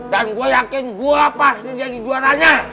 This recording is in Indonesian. dan gue yakin gue pasti jadi juaranya